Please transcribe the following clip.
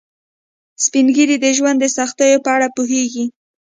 سپین ږیری د ژوند د سختیو په اړه پوهیږي